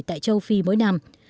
tại châu phi mỗi năm